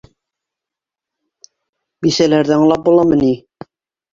Бисәләрҙе аңлап буламы ни?